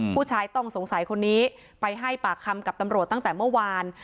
ผู้ชายต้องสงสัยคนนี้ไปให้ปากคำกับตำรวจตั้งแต่เมื่อวาน